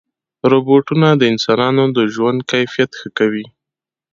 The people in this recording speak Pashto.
روبوټونه د انسانانو د ژوند کیفیت ښه کوي.